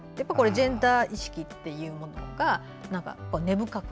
ジェンダー意識というものが根深く